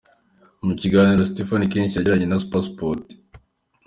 Mu kiganiro Sitefani Keshi yagiranye na Supasipoti.